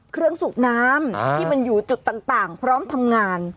เครื่องสุกน้ำที่มันอยู่จุดต่างพร้อมทำงาน